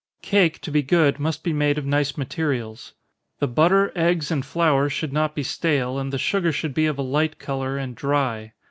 _ Cake, to be good, must be made of nice materials. The butter, eggs, and flour, should not be stale, and the sugar should be of a light color, and dry.